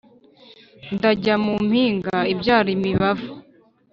ndajya mu mpinga ibyara imibavu,